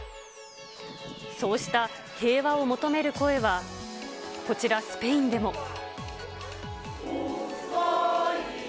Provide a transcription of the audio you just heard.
そうした平和を求める声は、こちら、スペインでも。